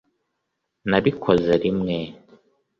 nabikoze rimwe